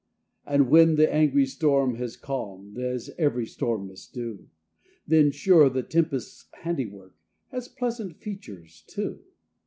And when the angry storm has calm'd, As ev'ry storm must do, Then, sure, the tempest's handiwork, Has pleasant features, too.